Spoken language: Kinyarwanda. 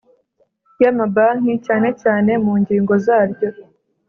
Y amabanki cyane cyane mu ngingo zaryo